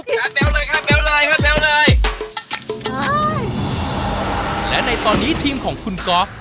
ข้าเต๋าเลยข้าเต๋าเลยข้าเต๋าเลยและในตอนนี้ทีมของคุณก๊อฟ